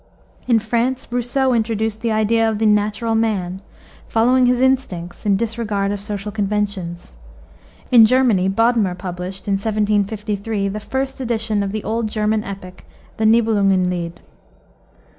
In France, Rousseau introduced the idea of the natural man, following his instincts in disregard of social conventions. In Germany Bodmer published, in 1753, the first edition of the old German epic, the Nibelungen Lied.